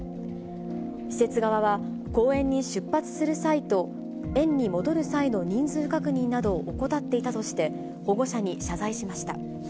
施設側は、公園に出発する際と園に戻る際の人数確認などを怠っていたとして、保護者に謝罪しました。